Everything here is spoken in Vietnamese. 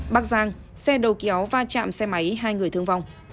bắc giang xe đầu kéo va chạm xe máy hai người thương vong